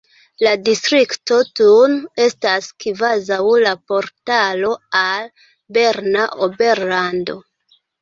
La distrikto Thun estas kvazaŭ la portalo al Berna Oberlando.